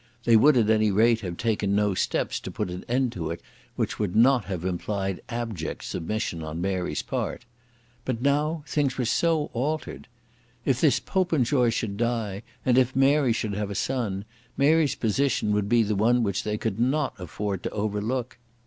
They would at any rate have taken no steps to put an end to it which would not have implied abject submission on Mary's part. But now things were so altered! If this Popenjoy should die, and if Mary should have a son, Mary's position would be one which they could not afford to overlook.